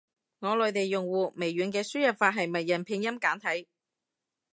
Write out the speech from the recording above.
我內地用戶，微軟嘅輸入法係默認拼音簡體。